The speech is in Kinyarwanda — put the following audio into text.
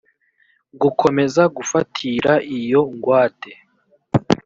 gukomeza gufatira iyo ngwate